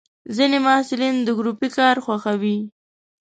ځینې محصلین د ګروپي کار خوښوي.